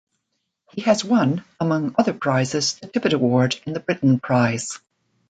He has won, among other prizes, the Tippett Award and the Britten Prize.